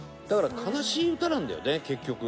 だから悲しい歌なんだよね、結局。